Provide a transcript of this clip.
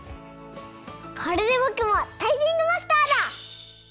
これでぼくもタイピングマスターだ！